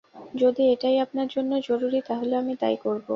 যদি এটাই আপনার জন্য জরুরি তাহলে আমি তাই করব।